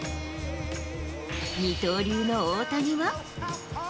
二刀流の大谷は。